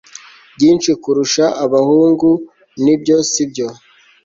byinshi kurusha abahungu ni byo si byo